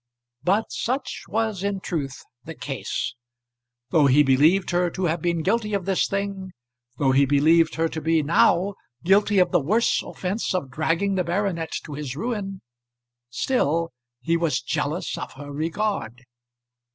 But such was in truth the case. Though he believed her to have been guilty of this thing, though he believed her to be now guilty of the worse offence of dragging the baronet to his ruin, still he was jealous of her regard.